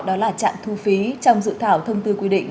đó là trạm thu phí trong dự thảo thông tư quy định